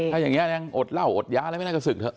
ถ้าอย่างนี้ยังอดเหล้าอดย้าไม่น่าจะศึกเถอะ